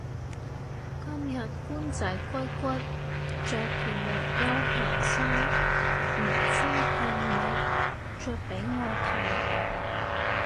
今日官仔骨骨着件略休閒恤衫唔知係咪着畀我睇